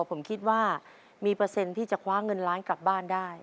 ผมคิดว่ามีเปอร์เซ็นต์ที่จะคว้าเงินล้านกลับบ้านได้